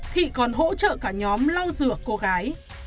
thị còn hỗ trợ cả nhóm lau rửa cô gái